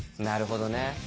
なるほどね。